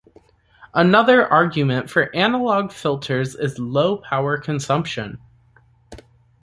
Another argument for analog filters is low power consumption.